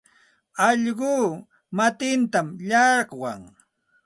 Allquu matintam llaqwan.